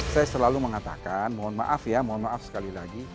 saya selalu mengatakan mohon maaf ya mohon maaf sekali lagi